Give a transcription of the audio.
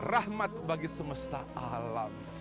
rahmat bagi semesta alam